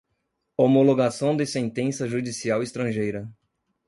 homologação de sentença judicial estrangeira